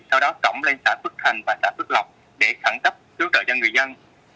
sau đó tổng lên xã phước thành và xã phước lộc để khẳng cấp hỗ trợ cho người dân